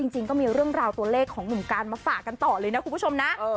จริงก็มีเรื่องราวตัวเลขของหนุ่มการมาฝากกันต่อเลยนะคุณผู้ชมนะ